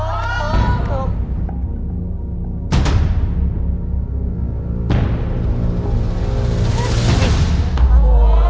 วิทยาศัพท์